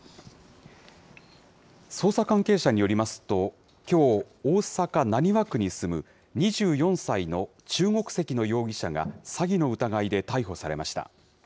捜査関係者によりますと、きょう、大阪・浪速区に住む２４歳の中国籍の容疑者が詐欺の疑いで逮捕されました。